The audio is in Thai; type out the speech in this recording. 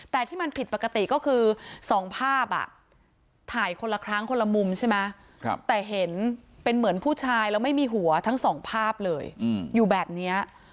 แต่ที่มันผิดปกติก็คือ๒ภาพถ่ายคนละครั้งคนละมุมใช่ไหมแต่เห็นเป็นเหมือนผู้ชายแล้วไม่มีหัวทั้งสองภาพเลยอยู่แบบนี้